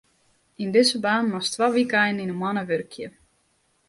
Yn dizze baan moatst twa wykeinen yn 'e moanne wurkje.